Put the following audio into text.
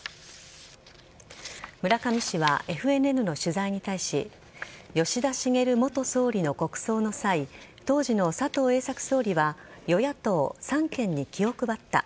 村上氏はＦＮＮの取材に対し吉田茂元総理の国葬の際当時の佐藤栄作総理は与野党、三権に気を配った。